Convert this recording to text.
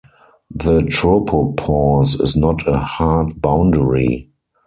The tropopause is not a "hard" boundary.